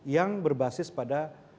yang berbasis pada